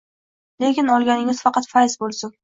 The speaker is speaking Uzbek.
Lekin olganingiz faqat fayz bo’lsin